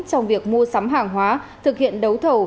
trong việc mua sắm hàng hóa thực hiện đấu thầu